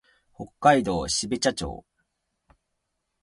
北海道標茶町